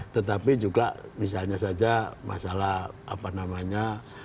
tetapi juga misalnya saja masalah apa namanya